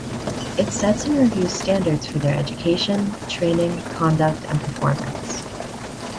It sets and reviews standards for their education, training, conduct and performance.